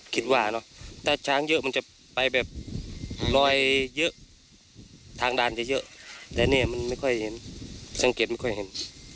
คิดว่าเนอะถ้าช้างเยอะมันจะไปแบบลอยเยอะทางดานจะเยอะแต่เนี่ยมันไม่ค่อยเห็นสังเกตไม่ค่อยเห็น